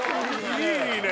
いいね！